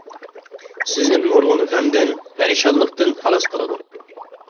سىزنى نۇرغۇن غەمدىن، پەرىشانلىقتىن خالاس قىلىدۇ.